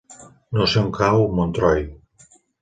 No sé on cau Montroi.